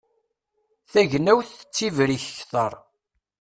Tagnawt tettibrik kter.